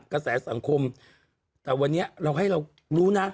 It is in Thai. กระแสสังคมแต่วันนี้เราให้เรารู้นะ